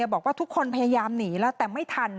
บอกว่าทุกคนพยายามหนีแล้วแต่ไม่ทัน